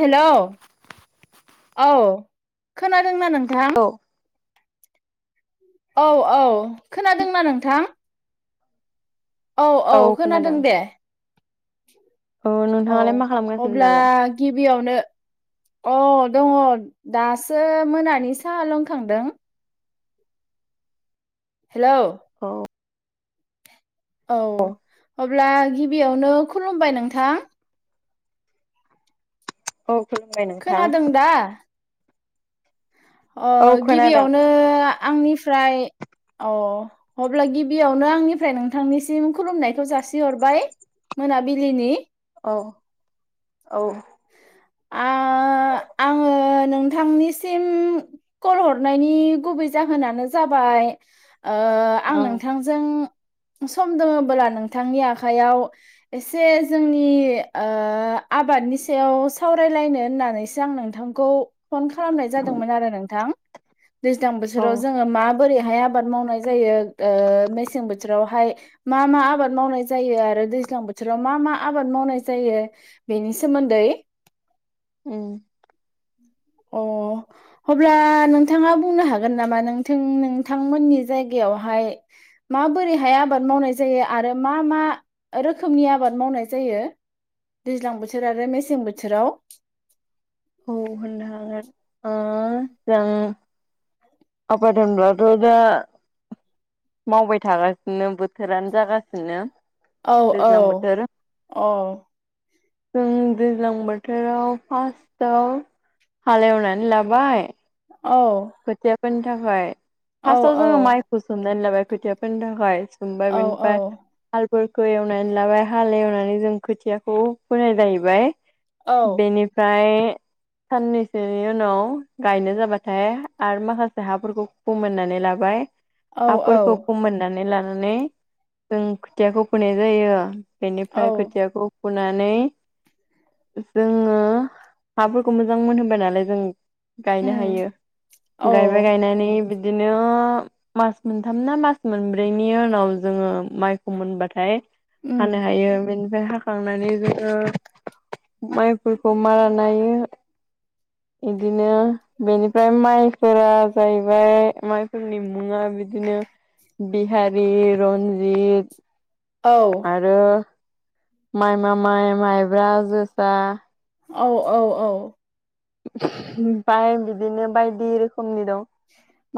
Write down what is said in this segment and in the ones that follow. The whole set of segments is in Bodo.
औ औ खोनादोंना नों थां औ औ खोनादोंना नोंथां? औ औ खोनादों दे औ नोंथाङालाय मा खालामगासिनो अब्ला दालाय? गिबियावनो अ दङ दासो मोनानि साहा लोंखांदों। हेलौ औ औ अब्ला गिबियावनो खुलुमबाय नोंथां। औ खुलुमबाय नोंथां। खोनादों दा अ औ खोनादों गिबियावनो आंनिफ्राय अ अब्ला गिबियावनो आंनिफ्राय नोंथांनिसिम खुलुमनायखौ जासिहरबाय मोनाबिलिनि। औ औ आ आङो नोंथांनिसिम कल हरनायनि गुबै जाहोनानो जाबाय ओ आं नोंथां जों सम दङबोला नोंथांनि आखाइयाव एसे जोंनि ओ आबादनि सायाव सावरायलायनो होननानैसो आं नोंथांखौ फन खालामनाय जादोंमोन आरो नोंथां दैज्लां औ बोथोराव जोङो मा बोरैहाय आबाद मावनाय जायो ओ मेसें बोथोरावहाय। मा मा आबाद मावनाय जायो आरो दैज्लां बोथोराव मा मा आबाद मावनाय जायो बेनि सोमोन दै। ओम अ अब्ला नोंथाङा बुंनो हागोन नामा नोंथिं नोंथांमोननि जायगायावहाय माबोरैहाय आबाद मावनाय जायो आरो मा मा रोखोमनि आबाद मावनाय जायो दैज्लां बोथोर आरो मेसें बोथोराव। अ होननो हागोन आ [unintelligible] आबाद होनब्लाथ' दा मावबाय थागासिनो बोथोरानो जागासिनो। औ औ दैज्लां बोथोर। औ जों दैज्लां बोथोराव फार्स्ट आव हालेवनानै लाबाय औ खोथिया फोनो थाखाय औ फार्स्टाव औ जोङो माइखौ सोमनानै लाबाय खोथिया फोनो थाखाय सोमबाय औ बिनिफाय हालफोरखौ एवनानै लाबाय हाल एवनानै जों खोथियाखौ फोनाय जाहैबाय औ बेनिफ्राय साननैसोनि उनाव गायनो जाबाथाय आरो माखासे हाफोरखौ फोमोननानै लाबाय औ औ हाफोरखौ फोमोन नानै लानानै जों खोथियाखौ फोनाय जायो औ बेनिफ्राय खोथियाखौ फुनानै जोङो हाफोरखौ मोजां मोनहोबाय नालाय जों गायनो उम हायो। औ गायबाय गायनानै बिदिनो मास मोनथाम ना मास मोनब्रैनि उनाव जोङो माइखौ मोनबाथाय उम हानो हायो बेनिफाय हा हाखांनानै जोङो माइफोरखौ मारा नायो। इदिनो बेनिफ्राय माइ फोरा जाहैबाय माइफोरनि मुङा बिदिनो बिहारि रन्जित औ आरो माइमा माइ माइब्रा जोसा औ औ औ ओमफाय बिदिनो बायदि रोखोमनि दं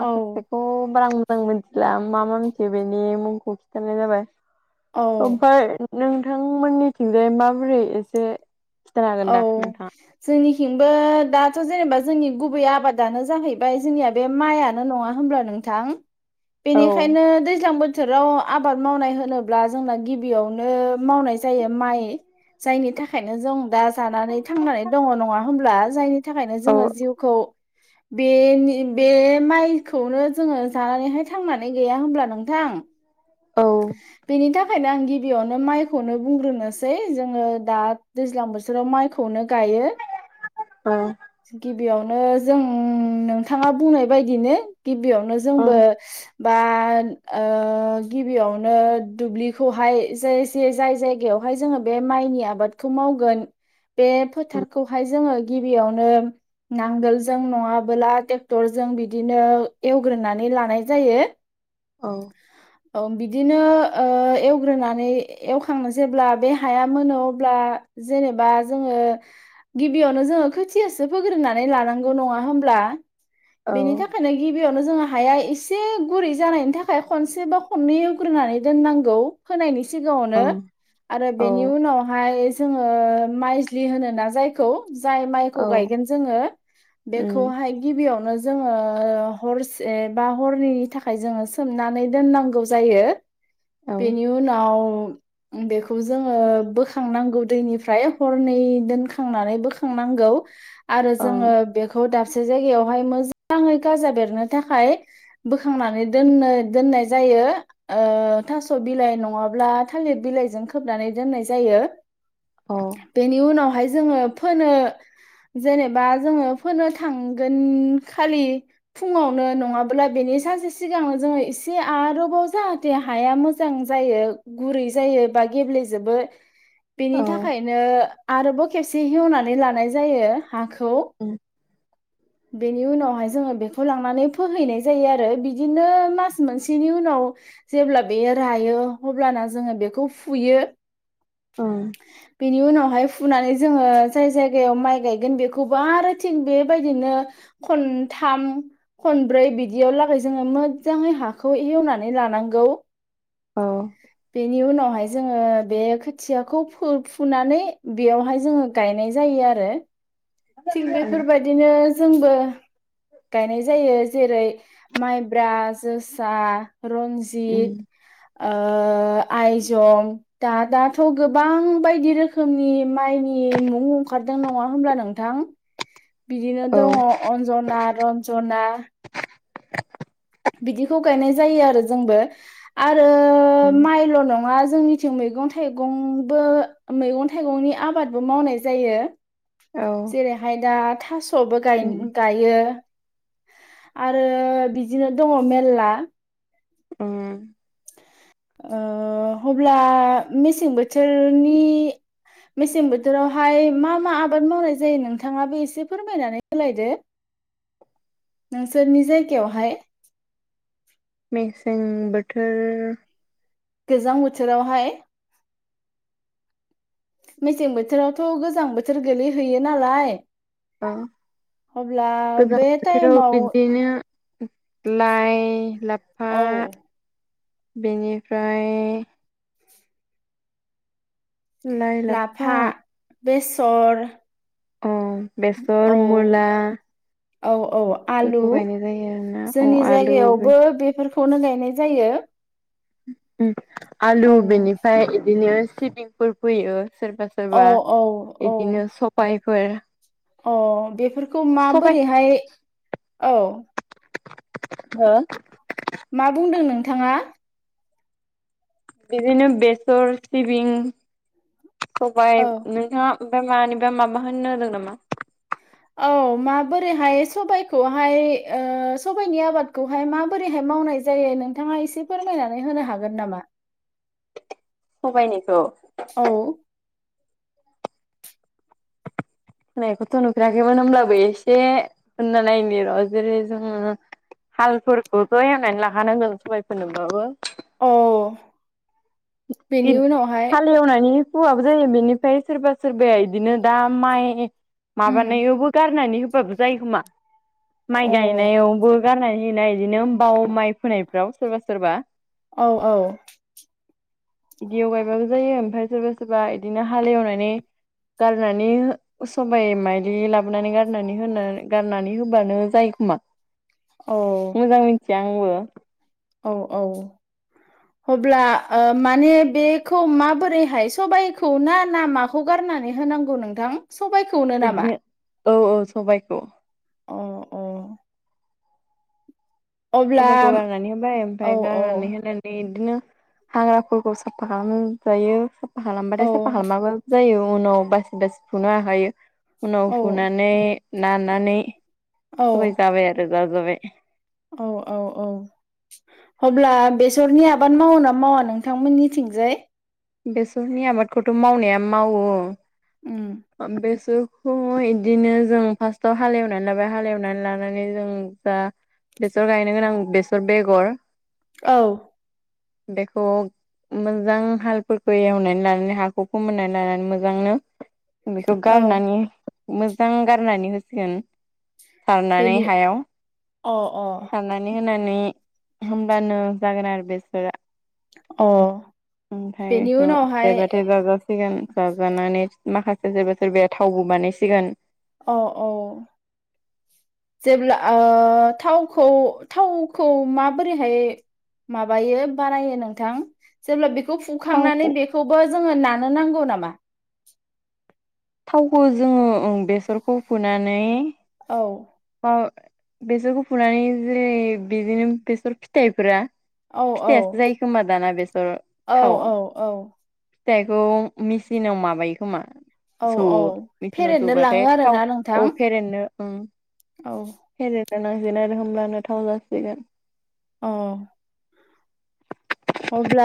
माखासे खौ बारा मोजां मोनथिला मा मा मिथियो बेनि मुंखौ खिन्थानाय जाबाय। औ औ ओमफाय नोंथांमोननिथिंजाय माबोरै एसे खिथानो हागोन औ दा नोंथाङा जोंनिथिंबो दाथ' जेनेबा जोंनि गुबै आबादानो जाहैबाय जोंनिया बे माइयानो नङा होनब्ला नों थां बेनिखायनो दैज्लां बो थोराव आबाद मावनाय होनोब्ला जोंना गिबियावनो मावनाय जायो माइ जायनि थाखायनो जों दा जानानै थांनानै दङ नङा होमब्ला जायनि थाखायनो औ जोङो जिउखौ बेनि बे माइखौनो जोङो जानानैहाय थांनानै गैया होनब्ला नोंथां औ बिनि था खायनो आं गिबियावनो माइखौनो बुंग्रोनोसै जोङो दा दैज्लां बोथोराव माइखौनो गायो। [inaudible] ओ गिबियावनो जों नोंथाङा बुंनाय बायदिनो गिबियावनो जोंबो ओं बा ओ गिबियावनो दुब्लिखौहाय जाय जे जाय जायगायावहाय जोङो बे माइनि आबाद खौ मावगोन बे फोथारखौहाय जोङो गिबियावनो नांगोलजों नङाबोला ट्रेक्टरजों बिदिनो एवग्रोनानै लानाय जायो। औ [inaudible] औ बिदिनो ओ एवग्रोनानै एवखांनो जेब्ला बे हाया मोनो अब्ला जेनेबा जोङो गिबियावनो जोङो खोथियासो फोग्रोनानै लानांगौ नङा होमब्ला बेनि ओं थाखायनो गिबियावनो जोङो हाया एसे गुरै जानायनि था खाय खनसे बा खननै एवग्रोनानै दोननांगौ होनायनि सिगाङावनो आरो औ बेनि उनावहाय जोङो माइज्लि होनोना जायखौ जाय माइखौ औ गायगोन जोङो उम बेखौहाय गिबियावनो जोङो हरसे बा हरनैनि थाखाय जोङो सो सोमनानै दोननांगौ जायो औ बेनि उनाव बेखौ जोङो बोखांनांगौ दैनिफ्राय हरनै दोनखांनानै बोखां बोखांनागौ आरो जों ओं बेखौ खौ दाबसे जायगायावहाय मोजाङै गाजा बेरनो थाखाय बोखांनानै दोननो दोननाय जायो थास' बिलाइ नङाब्ला थालिर बिलाइजों खोबनानै दोननाय जायो औ बेनि उनावहाय जोङो फोनो जेनेबा जोङो फोनो थांगोन खालि फुङावनो नङाब्ला बेनि सानसे सिगांनो जोङो एसे आरोबाव जाहाथे हाया मोजां जायो गुरै जायो बा गेब्लेजोबो बेनि औ थाखायनो आरोबाव खेबसे हेवनानै लानाय जायो हाखौ उम बेनि उनावहाय जोङो बेखौ लांनानै फोहैनाय जायो आरो बिदिनो मास मोनसेनि उनाव जेब्ला बे रायो अब्लाना जोङो बेखौ फुयो औ बेनि उनावहाय फुनानै जोङो जाय जायगायाव माइ गायगोन बेखौबो आरो थिं बे बायदिनो खन्थाम खनब्रै बिदियाव लागै जोङो मोजाङै हाखौ एवनानै लानांगौ औ बेनि उनावहाय जोङो बे खोथियाखौ फुनानै बेयावहाय जोङो गायनाय जायो आरो थिग बेफोरबायदिनो जोंबो गायनाय जायो जेरै माइब्रा जोसा उम रनजित [unintelligible] आइजं दा दाथ' गोबां बायदि रोखोमनि माइनि मुं ओंखारदों नङा होनोमब्ला नों थां बिदिनो औ दङ अन्जना रन्जना बिदिखौ गायनाय जायो आरो जोंबो आरो उम माइल' नङा जोंनि जों मैगं थाइगंबो मैगं थाइगंनि आबादबो मावनाय जायो औ जेरैहाय दा थास'बो उम गायो आरो बिदिनो दङ मेरला [unintelligible] अब्ला मेसें बोथोरनि मेसें बोथोरावहाय मा मा आबाद मावनाय जायो नोंथाङाबो एसे फोरमायनानै होलायदो नोंसोरनि जायगायावहाय मेसें बोथोर गोजां बोथोराव हाय मेसें बोथोरावथ' गोजां बोथोर गोलैहैयो नालाय अ अब्ला गोजां बे बोथोराव टाइमाव बिदिनो लाइ ला औ बेनिफ्राय लाफा बेसर अ बेसर औ मुला औ औ आलु बेफोरखौ गायनाय जायो आरोना अ जोंनि आलु जायगायावबो बे खौनो गायनाय जायो आलु औ बेनिफ्राय बिदिनो सिबिंफोर फोयो सोरबा औ सोरबा औ औ बिदिनो सबाइफोर अ बेफोरखौ माबोरैहाय औ [unintelligible] मा बुंदों नोंथाङा बिदिनो बेसर सिबिं सबाय औ नोंहा ओमफफ्राय मानिबा माबा होनो होदों नामा? औ माबोरैहाय सबखौहाय सबाइनि आबादखौहाय माबोरैहाय मावनाय जायो नोंथाङा एसे फोरमायनानै होनो हागोन नामा? खबायनिखौ औ होननायखौथ' नुफेराखैमोन होमब्लाबो एसे होनना नायनि र' जेरै जोङो हालफोरखौबो एवनानै लाखानांगोन सबाय फोनोबाबो औ बेनि इद उनावहाय हालेवनानि हौवाबो जायो बेनिफ्राय सोरबा सोरबाया इदिनो दा माइ उम माबानायावबो गारनानै होबाबो जायो खोमा? अ माइ औ गायनायावबो गारनानै होयोना इदिनो बाव माइ फोनायफ्राव सोरबा सोरबा औ औ इदियाव गायबाबो जायो ओमफ्राय सोरबा सोरबा इदिनो हालेवनानै गारनानै सबाय मायदि लाबोनानै गारनानै होना गारनानै होबानो जायो खोमा? ओ मोजां मिथिया आंबो औ औ अब्ला ओ माने बेखौ माबोरैहाय सबाइखौ ना ना मा खौ गारनानै होनांगौ नोंथां? सबाय इदिनो औ औ सबायखौ अ अ अब्ला सबाइखौ गारनानै होबाय औ ओमफाय औ गारनानै होना इदिनो हाग्राफोरखौ साफा खालामजायो साफा औ खालामबाथाय साफा खालामाबो जायो उनाव बासि- बासि फुनो हाखायो उनाव औ फुनानै नानानै औ सबाय जाबाय आरो जा जाबाय। औ औ औ अब्ला बेसरनि आबाद मावो ना मावा नोंथांमोननिथिंजाय? बेसरनि आबादखौथ' मावनाया मावो। उम बेसोरखौ इदिनो जों फार्स्टआव हालेवनानै लाबाय हालेवनानै लानानै जों जा बेसर गायनो गोनां बेसर बेगर औ बेखौ मोजां हाल फोरफोरखौ एवनानै लानानै हाखौ फोमोननानै लानानै मोजांनो बेखौ औ गारनानै मोजां गारनानै होसिगोन सारनानै बेनि हायाव अ अ सारना नै होनानै होमब्लानो जागोन आरो बेसरा अ ओमफ्राय बेनि ओ उनावहाय देरबाथाय जाजासिगोन जाजानानै उम माखासे सोरबा सोरबाया थावबो बानायसिगोन। औ औ जेब्ला ओ थावखौ -थावखौ माबोरैहाय माबायो बानायो नोंथां जेब्ला बे खौ थावखौ फोखांनानै बेखौबो जोङो नानो नांगौ नामा? थावखौ जों बेसरखौ फुनानै औ ओ बेसरखौ फुनानै जेरै बिदिनो बेसर फिथाइफोरा औ औ फिथाइसो जायोखोमबा दाना बेसर औ थाव? औ औ फिथाइखौ मेसिनाव माबायो खोमा? औ सौवौ औ मेसिनाव फेरेदनो लाङो सौबाथाय थाव आरोना नोंथां औ फेरेननो उम औ फेरनो होनो आरो होमब्लानो थाव जासिगोन। ओ अब्ला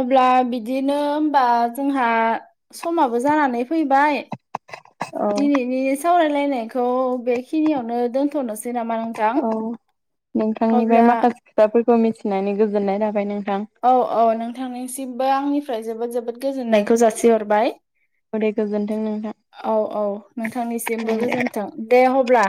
अब्ला बिदिनो होनबा जोंहा समाबो जानानै फैबाय औ दिनैनि सावरायलायनायखौ बेखिनियावनो दोनथ'नोसै नामा नों औ नोंथांनिफ्राय माखासे खोथाफोरखौ मिथिनानै गोजोननाय थाबाय नोंथां। औ औ नोंथांनिसिमबो आंनिफ्राय जोबोद जोबोद गोजोननायखौ जासिहरबाय। दे गोजोन्थों नोंथां औ औ औ नोंथांनिसिमबो दे। गोजोन्थों दे अब्ला।